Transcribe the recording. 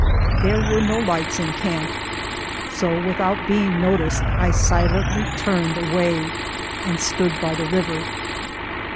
There were no lights in camp, so without being noticed I silently turned away and stood by the river.